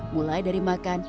mulai dari makan